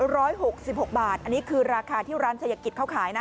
ร้อยหกสิบหกบาทอันนี้คือราคาที่ร้านชายกิจเขาขายนะ